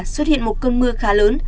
xuất hiện một cơn mưa khá lớn